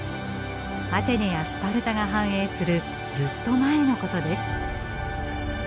アテネやスパルタが繁栄するずっと前のことです。